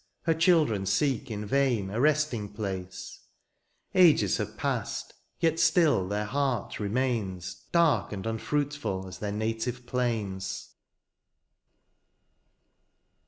Her children seek in vain a resting place : Ages have passed, yet still their heart remains Dark and unfruitful as their native plains.